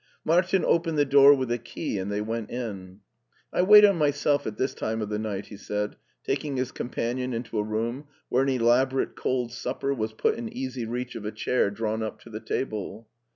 Martin opened the door with a key and they went in. "I wait on myself at this time of the night," he said, taking his companion into a room where an elab orate cold supper was put in easy reach of a chair drawn up to the table.